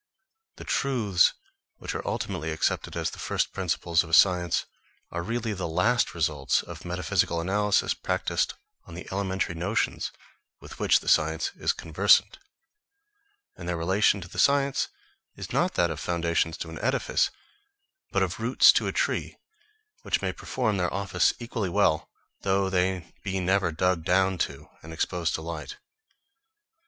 The truths which are ultimately accepted as the first principles of a science, are really the last results of metaphysical analysis, practised on the elementary notions with which the science is conversant; and their relation to the science is not that of foundations to an edifice, but of roots to a tree, which may perform their office equally well though they be never dug down to and exposed to light.